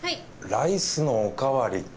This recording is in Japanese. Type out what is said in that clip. ライスのお代わりと。